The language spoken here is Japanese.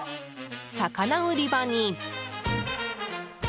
魚売り場に。